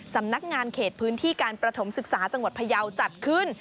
สำนักงานเขตพื้นที่การประถมศึกษาจังหวัดพยาวจัดขึ้น